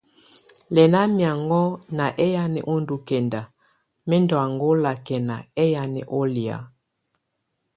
Lɛna miaŋgɔ̀á ná ɛyanɛ ɔ́ ndù kɛnda, mɛ̀ ndɔ̀ angɔ̀á lakɛna ɛyanɛ ù lɛ̀á.